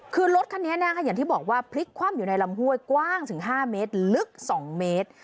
คือรถคันนี้อย่างที่บอกว่าพลิกคว่ำอยู่ในลำห้วยกว้างถึง๕เมตรลึก๒เมตร